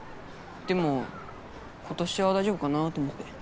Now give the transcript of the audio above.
でも今年は大丈夫かなぁと思って。